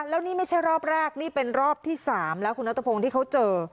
แล้วนี่ไม่ใช่รอบแรกนี่เป็นรอบที่๓แล้วคุณนัทพงศ์ที่เขาเจอ